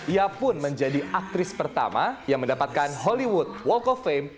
ia pun menjadi aktris pertama yang mendapatkan hollywood walk of fame dua ribu tujuh belas